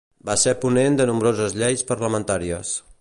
Va ser ponent de nombroses lleis parlamentàries.